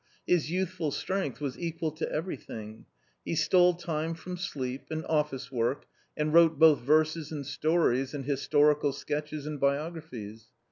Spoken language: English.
His youthful strength was equal to every thing. He stole time from sleep, and office work, and wrote both verses and stories and historical sketches and biographies.